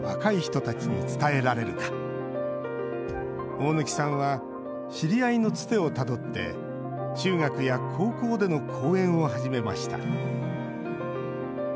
大貫さんは知り合いのつてをたどって中学や高校での講演を始めました。